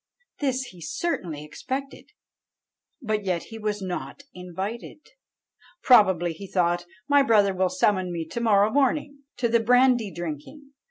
This he certainly expected, but yet he was not invited. 'Probably,' thought he, 'my brother will summon me to morrow morning to the brandy drinking.'